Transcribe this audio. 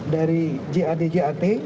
dari jad jat